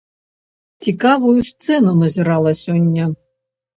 Цікавую сцэну назірала сёння.